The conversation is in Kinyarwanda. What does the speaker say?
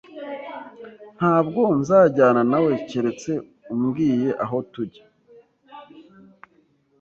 Ntabwo nzajyana nawe keretse umbwiye aho tujya.